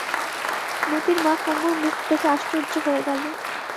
মোতির মা কুমুর মুখ দেখে আশ্চর্য হয়ে গেল।